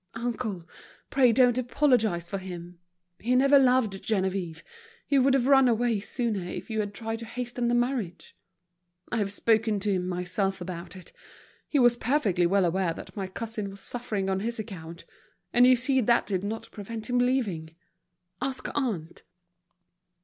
"Uncle, pray don't apologize for him. He never loved Geneviève, he would have run away sooner if you had tried to hasten the marriage. I have spoken to him myself about it; he was perfectly well aware that my cousin was suffering on his account, and you see that did not prevent him leaving. Ask aunt."